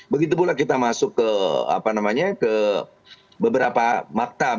begitu pula kita masuk ke beberapa maktab